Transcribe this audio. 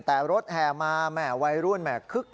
แต่รถแห่มาแหมวัยรุ่นแห่คึก